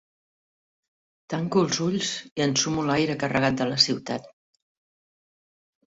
Tanco els ulls i ensumo l'aire carregat de la ciutat.